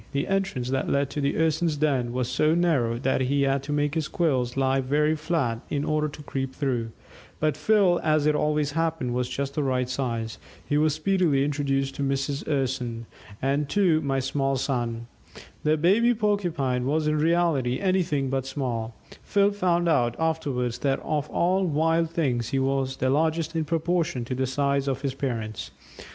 The entrance that led to the Urson's den was so narrow that he had to make his quills lie very flat in order to creep through, but Phil, as it always happened, was just the right size. He was speedily introduced to Mrs. Urson and to "my small son." The baby Porcupine was in reality anything but "small"; Phil found out afterwards that of all wild things he was the largest in proportion to the size of his parents.